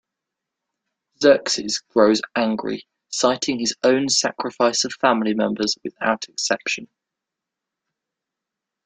Xerxes grows angry, citing his own sacrifice of family members without exception.